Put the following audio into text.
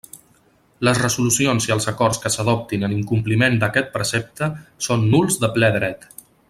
Les resolucions i els acords que s'adoptin en incompliment d'aquest precepte són nuls de ple dret.